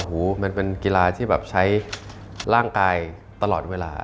มันเป็นกีฬาที่แบบใช้ร่างกายตลอดเวลา